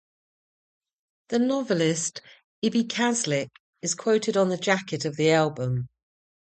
The novelist Ibi Kaslik is quoted on the jacket of the album.